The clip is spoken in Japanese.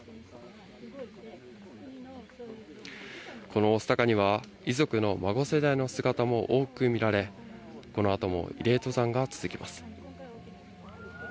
この御巣鷹には遺族の孫世代の姿も多く見られ、この後も慰霊登山が続きます。